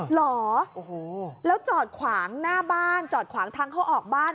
เหรอโอ้โหแล้วจอดขวางหน้าบ้านจอดขวางทางเข้าออกบ้าน